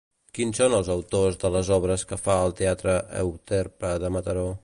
Quins són els autors de les obres que fa al Teatre Euterpe de Mataró?